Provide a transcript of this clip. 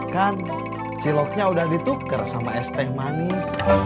kan ciloknya udah ditukar sama es teh manis